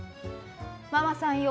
ママさんよ